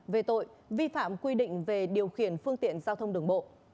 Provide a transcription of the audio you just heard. về tội vi phạm quy định về điều khiển phương tiện giao thông đường bộ